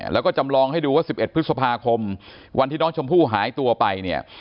แล้วก็จำลองให้ดูว่า๑๑พฤษภาคมวันที่น้องชมพู่หายตัวไปเนี่ย